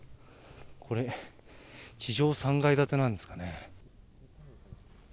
これ、地上３階建てなんですかね。